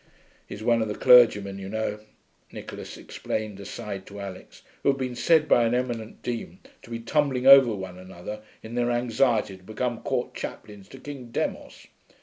'He's one of the clergymen, you know,' Nicholas explained aside to Alix, 'who have been said by an eminent Dean to be tumbling over one another in their anxiety to become court chaplains to King Demos.